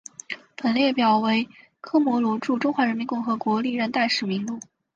本列表为科摩罗驻中华人民共和国历任大使名录。